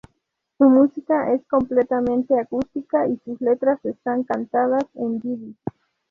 Su música es completamente acústica, y sus letras están cantadas en yidis.